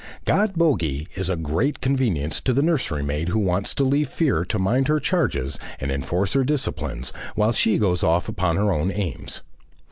God Bogey is a great convenience to the nursery maid who wants to leave Fear to mind her charges and enforce her disciplines, while she goes off upon her own aims.